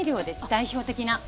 代表的な。